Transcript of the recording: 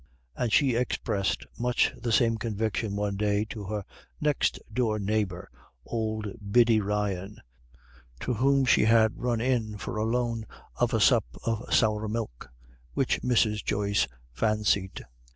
And she expressed much the same conviction one day to her next door neighbor, old Biddy Ryan, to whom she had run in for the loan of a sup of sour milk, which Mrs. Joyce fancied.